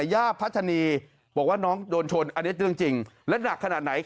ย่าพัฒนีบอกว่าน้องโดนชนอันนี้เรื่องจริงและหนักขนาดไหน